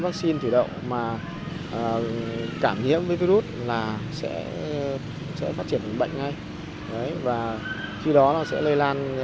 vắc xin thủy đậu mà cảm nhiễm với virus là sẽ sẽ phát triển bệnh ngay đấy và khi đó nó sẽ lây